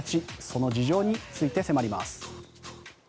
その事情について迫ります。